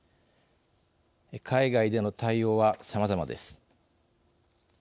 海外での対応はさまざまです。